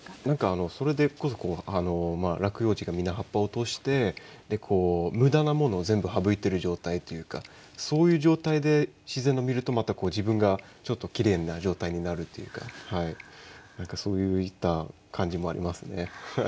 何かあのそれでこそ落葉樹がみんな葉っぱを落としてでこう無駄なものを全部省いている状態っていうかそういう状態で自然を見るとまたこう自分がちょっときれいな状態になるっていうか何かそういった感じもありますね。